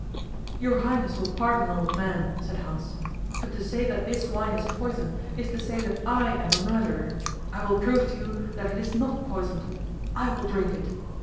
'Your Highness will pardon an old man,' said Hans, 'but to say that this wine is poison is to say that I am a murderer. I will prove to you that it is not poisoned. I will drink it.